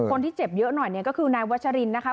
คนที่เจ็บเยอะหน่อยเนี่ยก็คือนายวัชรินนะคะ